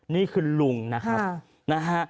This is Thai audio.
นี่คือลุงนะครับ